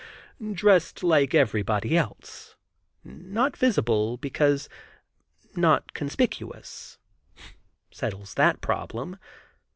"Dressed like everybody else, not visible, because not conspicuous," settles that problem.